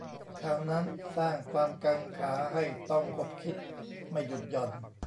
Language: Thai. ข่าวนั้นสร้างความกังขาให้ต้องขบคิดไม่หยุดหย่อน